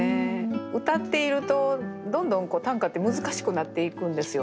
うたっているとどんどん短歌って難しくなっていくんですよね。